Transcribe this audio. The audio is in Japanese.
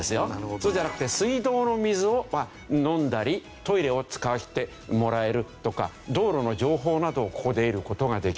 そうじゃなくて水道の水を飲んだりトイレを使わせてもらえるとか道路の情報などをここで得る事ができる。